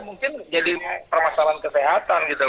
mungkin jadi permasalahan kesehatan gitu